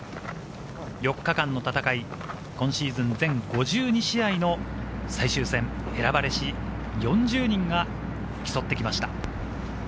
８日間の戦い、今シーズン全５２試合の最終戦、選ばれし４０人が競ってきました。